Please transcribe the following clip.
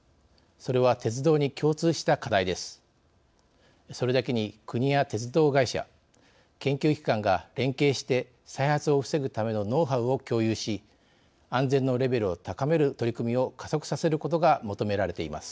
それだけに国や鉄道会社研究機関が連携して再発を防ぐためのノウハウを共有し安全のレベルを高める取り組みを加速させることが求められています。